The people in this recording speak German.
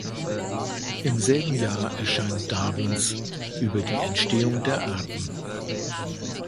Im selben Jahr erscheint Darwins "Über die Entstehung der Arten".